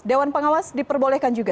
dewan pengawas diperbolehkan juga